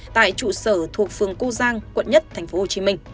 tại trụ sở thuộc phường cư giang quận một tp hcm